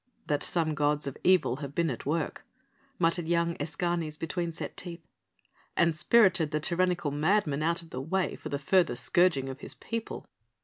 "That some gods of evil have been at work," muttered young Escanes between set teeth, "and spirited the tyrannical madman out of the way for the further scourging of his people."